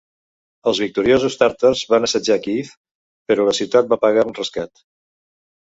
Els victoriosos tàrtars van assetjar Kíev, però la ciutat va pagar un rescat.